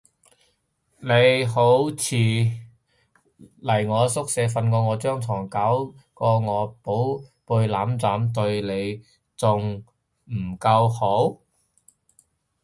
你好似都嚟我宿舍瞓過我張床，攬過我寶貝攬枕，對你仲唔夠好？